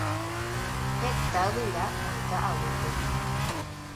Heta yvyra oĩ ka'aguýpe.